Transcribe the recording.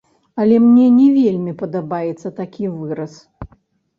Але мне не вельмі падабаецца такі выраз.